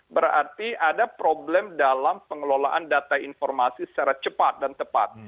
berarti ada problem dalam pengelolaan data informasi secara cepat dan tepat